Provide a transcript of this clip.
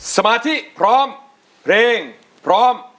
สมาธิพร้อมเพลงพร้อม